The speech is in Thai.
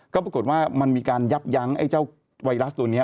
ก็ปรากฏว่ามันมีการยับยั้งไอ้เจ้าไวรัสตัวนี้